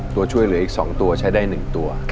ตัวช่วยเหลืออีกสองตัวใช้ได้หนึ่งตัว